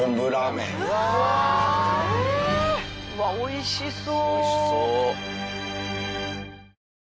うわっおいしそう！